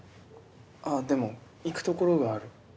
あっでも行く所がある。